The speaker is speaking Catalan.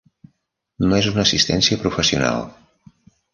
No és una assistència professional.